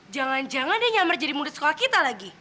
jangan jangan dia nyammer jadi murid sekolah kita lagi